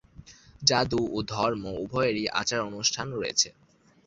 জাদু ও ধর্ম উভয়েরই আচার-অনুষ্ঠান রয়েছে।